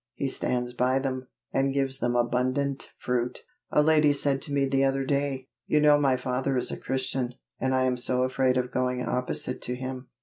He stands by them, and gives them abundant fruit. A lady said to me the other day, "You know my father is a Christian, and I am so afraid of going opposite to him."